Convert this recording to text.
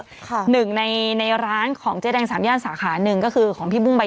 ค่ะหนึ่งในในร้านของเจ๊แดงสามย่านสาขาหนึ่งก็คือของพี่บุ้งใบ